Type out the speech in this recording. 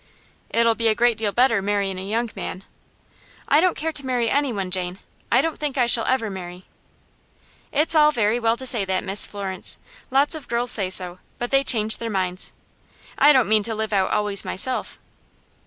"It'll be a great deal better marryin' a young man." "I don't care to marry any one, Jane. I don't think I shall ever marry." "It's all very well to say that, Miss Florence. Lots of girls say so, but they change their minds. I don't mean to live out always myself."